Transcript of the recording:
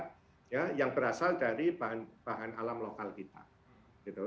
kandidat obat ya yang berasal dari bahan bahan alam lokal kita gitu